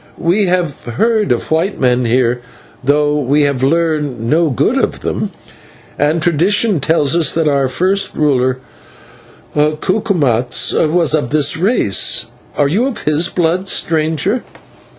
"We have heard of white men here, though we have learned no good of them, and tradition tells us that our first ruler, Cucumatz, was of this race. Are you of his blood, stranger?"